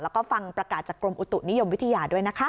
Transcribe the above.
แล้วก็ฟังประกาศจากกรมอุตุนิยมวิทยาด้วยนะคะ